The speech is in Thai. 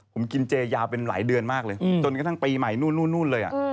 ผมกินเจยาวเป็นหลายเดือนมากเลยจนกระทั่งปีใหม่นู่นเลย